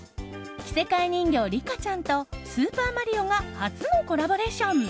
着せ替え人形リカちゃんと「スーパーマリオ」が初のコラボレーション。